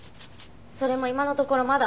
それも今のところまだ。